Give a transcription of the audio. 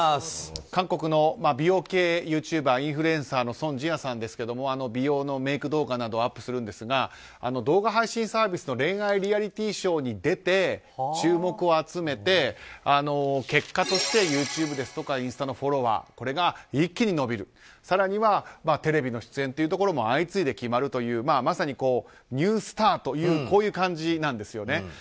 韓国の美容系ユーチューバーインフルエンサーのソン・ジアさんですが美容のメイク動画をアップするんですが動画配信サービスの恋愛リアリティーショーに出て注目を集めて結果としてＹｏｕＴｕｂｅですとかインスタのフォロワーが一気に伸びる更にはテレビの出演というところも相次いで決まるというまさにニュースターという感じなんですよね。